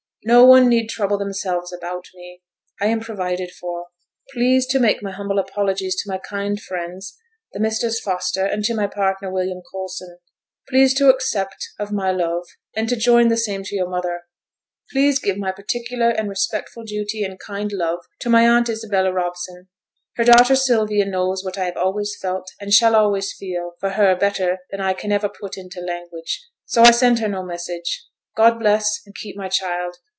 No one need trouble themselves about me; I am provided for. Please to make my humble apologies to my kind friends, the Messrs Foster, and to my partner, William Coulson. Please to accept of my love, and to join the same to your mother. Please to give my particular and respectful duty and kind love to my aunt Isabella Robson. Her daughter Sylvia knows what I have always felt, and shall always feel, for her better than I can ever put into language, so I send her no message; God bless and keep my child.